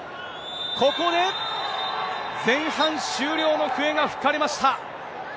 ここで前半終了の笛が吹かれました。